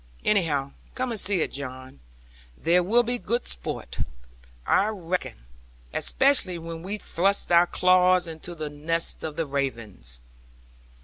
Anyhow, come and see it, John. There will be good sport, I reckon; especially when we thrust our claws into the nest of the ravens.